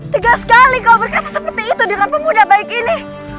tegas sekali kau berkas seperti itu dengan pemuda baik ini